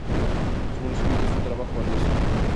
Su manuscrito es un trabajo valioso.